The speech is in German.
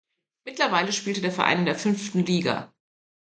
Mittlerweile spielte der Verein in der fünften Liga.